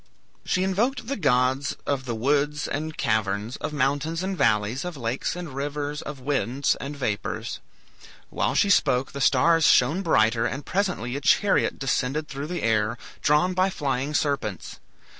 She invoked the gods of the woods and caverns, of mountains and valleys, of lakes and rivers, of winds and vapors. While she spoke the stars shone brighter, and presently a chariot descended through the air, drawn by flying serpents.